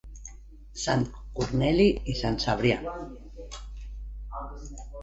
Sant Corneli i Sant Cebrià.